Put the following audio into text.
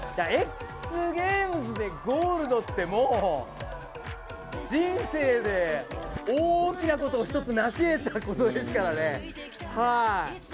ＸＧＡＭＥＳでゴールドってもう、人生で大きなことを一つなし得たことですからね。